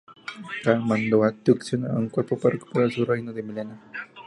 Kahn mandó a Tsung a un cuerpo para recuperar su reino de Mileena.